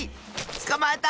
つかまえた！